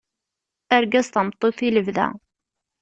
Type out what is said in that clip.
Argaz tameṭṭut i lebda.